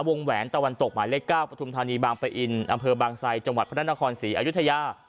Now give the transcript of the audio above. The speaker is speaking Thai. แหวนตะวันตกหมายเลข๙ปฐุมธานีบางปะอินอำเภอบางไซจังหวัดพระนครศรีอยุธยา